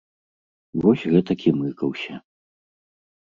Вось гэтак і мыкаўся.